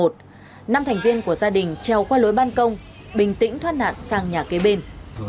năm thành viên của gia đình treo qua lối ban công bình tĩnh thoát nạn sang nhà kế bên